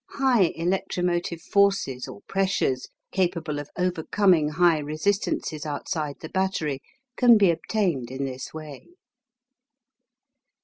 High electromotive forces or "pressures" capable of overcoming high resistances outside the battery can be obtained in this way.